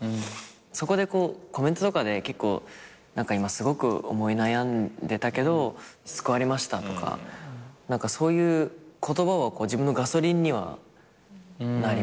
そこでコメントとかで結構今すごく思い悩んでたけど救われましたとかそういう言葉は自分のガソリンにはなりますよね。